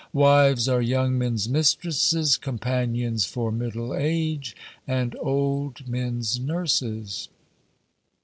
"Wives are young men's mistresses, companions for middle age, and old men's nurses."